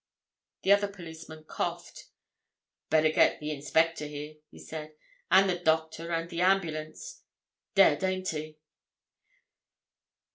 The other policeman coughed. "Better get the inspector here," he said. "And the doctor and the ambulance. Dead—ain't he?"